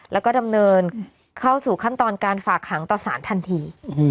แล้วก็ดำเนินเข้าสู่ขั้นตอนการฝากขังต่อสารทันที